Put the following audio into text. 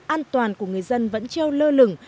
an toàn của người dân vẫn treo lơ lửng